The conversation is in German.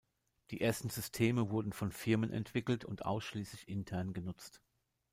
Die ersten Systeme wurden von Firmen entwickelt und ausschließlich intern genutzt.